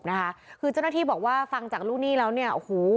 เจ้าหน้าที่บอกว่าฟังจากลูกหนี้แล้ว